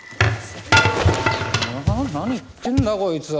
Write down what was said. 何言ってんだこいつ！